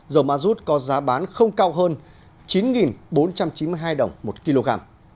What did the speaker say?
dầu ma rút có giá bán không cao hơn chín bốn trăm chín mươi hai đồng một kg